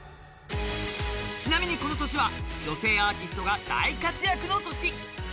ちなみにこの年は女性アーティストが大活躍の年。